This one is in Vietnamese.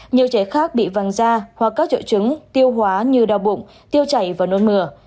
nhiều trẻ khác bị văng da hoặc các triệu chứng tiêu hóa như đau bụng tiêu chảy và nôn mửa